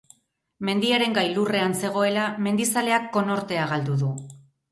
Mendiaren gailurrean zegoela, mendizaleak konortea galdu du.